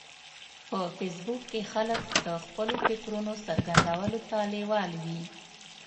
په فېسبوک کې خلک د خپلو فکرونو څرګندولو ته لیوال وي